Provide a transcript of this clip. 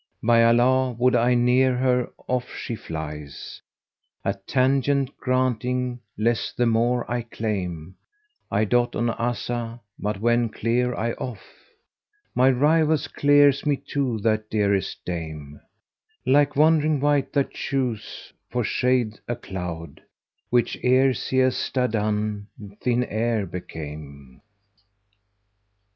By Allah! would I near her off she flies * At tangent, granting less the more I claim: I dote on Azzah, but when clear I off * My rivals, clears me too that dearest dame; Like wandering wight that chose for shade a cloud * Which, ere siesta done, thin air became."